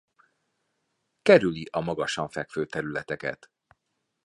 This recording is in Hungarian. Kerüli a magasan fekvő területeket.